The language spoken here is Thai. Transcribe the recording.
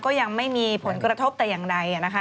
ยังไม่มีผลกระทบแต่อย่างใดนะคะ